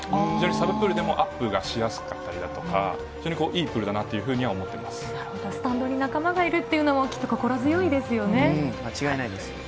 サブプールでもアップがしやすかったりだとか、非常にいいプールスタンドに仲間がいるってい間違いないです。